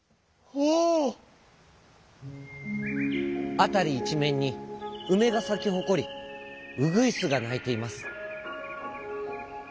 あたりいちめんにうめがさきほこりうぐいすがないています。